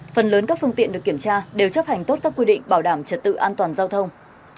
phần lớn các phương tiện được kiểm tra đều chấp hành tốt các quy định bảo đảm trật tự an toàn giao thông